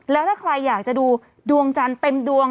แล้วถ้าใครอยากจะดูดวงจันทร์เต็มดวง